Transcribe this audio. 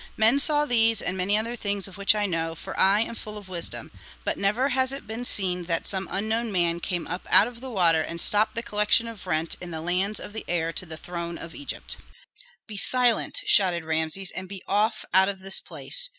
Men saw these and many other things of which I know, for I am full of wisdom. But never has it been seen that some unknown man came up out of the water and stopped the collection of rent in the lands of the heir to the throne of Egypt." "Be silent," shouted Rameses, "and be off out of this place!